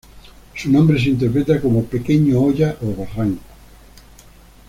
Su nombre se interpreta como ""Pequeña Hoya o Barranco"".